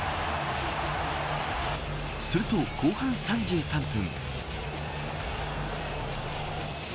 すると、後半３３分。